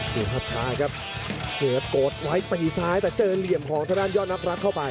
ภาพช้าครับเสียโกดไว้ตีซ้ายแต่เจอเหลี่ยมของทางด้านยอดนักรักเข้าไป